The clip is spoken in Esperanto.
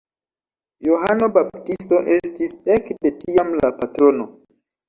Johano Baptisto estis ekde tiam la patrono.